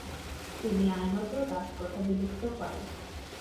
তিনি আইনত দাসপ্রথা বিলুপ্ত করেন।